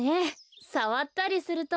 さわったりすると。